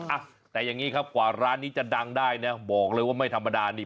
อ่ะแต่อย่างนี้ครับกว่าร้านนี้จะดังได้นะบอกเลยว่าไม่ธรรมดานี่